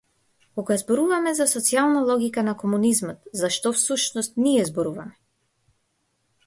Кога зборуваме за социјална логика на комунизмот, за што, всушност, ние зборуваме?